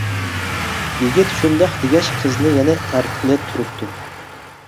يىگىت شۇنداق دېگەچ قىزنى يەنە تارتقىلى تۇرۇپتۇ.